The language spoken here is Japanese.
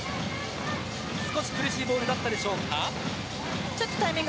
少し苦しいボールだったでしょうか。